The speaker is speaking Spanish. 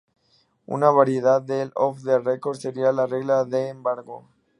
Una variante del "off the record" sería la "regla de embargo".